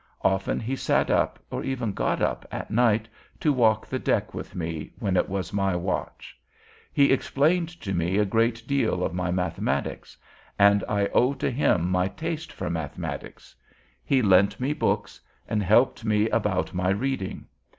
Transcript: Often he sat up, or even got up, at night, to walk the deck with me, when it was my watch. He explained to me a great deal of my mathematics, and I owe to him my taste for mathematics. He lent me books, and helped me about my reading.